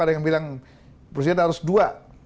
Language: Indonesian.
ada yang bilang presiden harus dua